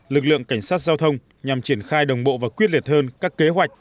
lực lượng cảnh sát giao thông nhằm triển khai đồng bộ và quyết liệt hơn các kế hoạch